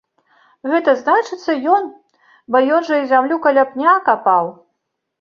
Гэта, значыцца, ён, бо ён жа і зямлю каля пня капаў.